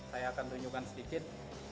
saya akan tunjukkan sedikit